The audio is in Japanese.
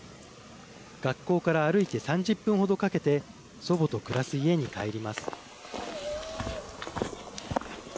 学校から歩いて３０分ほどかけて祖母と暮らす家に帰ります。